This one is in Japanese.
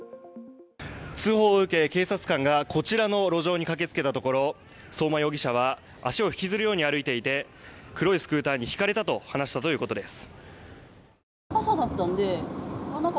通報を受け、警察官がこちらの路上に駆けつけたところ相馬容疑者は足を引きずるように歩いていて黒いスクーターにひかれたと話してたということです。